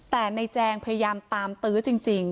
แต่ในแจงพยายามตามตื้อจริง